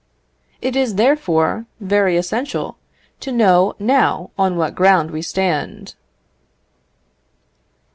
It is, therefore, very essential to know now on what ground we stand.